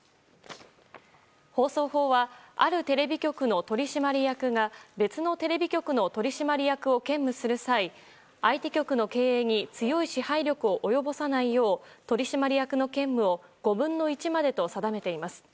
放送法はあるテレビ局の取締役が別のテレビ局の取締役を兼務する際相手局の経営に強い支配力を及ぼさないよう取締役の兼務を５分の１までと定めています。